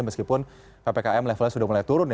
meskipun ppkm levelnya sudah mulai turun ya